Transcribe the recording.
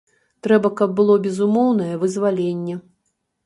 Трэба, каб было безумоўнае вызваленне.